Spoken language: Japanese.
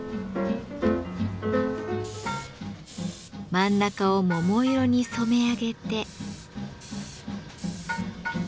真ん中を桃色に染め上げて。